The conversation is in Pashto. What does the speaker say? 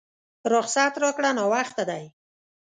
رخصت راکړه ناوخته دی!